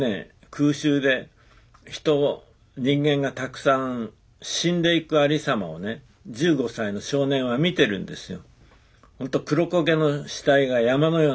空襲で人間がたくさん死んでいくありさまをね１５歳の少年は見てるんですよ。